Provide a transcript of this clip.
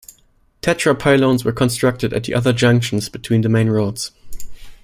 Tetrapylones were constructed at the other junctions between the main roads.